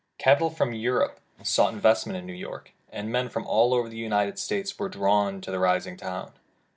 Capital from Europe sought investment in New York, and men from all over the United States were drawn to the rising town.